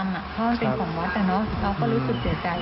เพราะมันเป็นของวัดเราก็รู้สึกเสียใจ